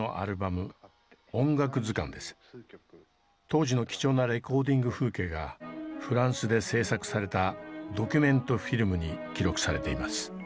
当時の貴重なレコーディング風景がフランスで制作されたドキュメントフィルムに記録されています。